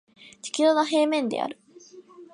地球は平面である